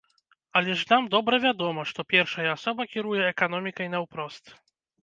Але ж нам добра вядома, што першая асоба кіруе эканомікай наўпрост.